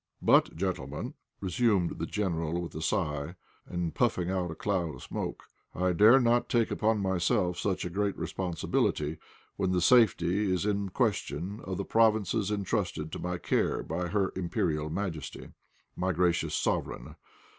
"But, gentlemen," resumed the General, with a sigh, and puffing out a cloud of smoke, "I dare not take upon myself such a great responsibility, when the safety is in question of the provinces entrusted to my care by Her Imperial Majesty, my gracious Sovereign.